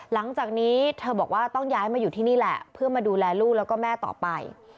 หลังจากนี้เธอบอกว่าต้องย้ายมาอยู่ที่นี่แหละเพื่อมาดูแลลูกแล้วก็แม่ต่อไป